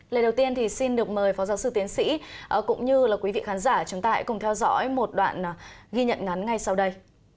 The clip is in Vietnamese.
lời đầu tiên thì xin được mời phó giáo sư tiến sĩ cũng như quý vị khán giả chúng ta hãy cùng theo dõi một đoạn ghi nhận ngắn ngay sau đây